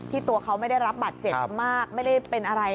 ตัวเขาไม่ได้รับบัตรเจ็บมากไม่ได้เป็นอะไร